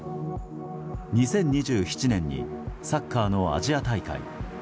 ２０２７年にサッカーのアジア大会。